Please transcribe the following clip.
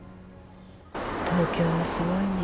東京はすごいね。